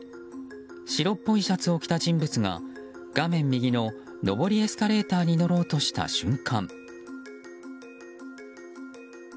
白っぽいシャツを着た人物が画面右の上りエスカレーターに乗ろうとした瞬間。